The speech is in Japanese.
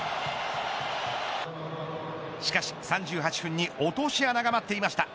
しかし３８分に落とし穴が待っていました。